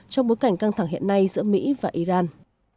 trong bối cảnh căng thẳng hiện nay giữa mỹ và iran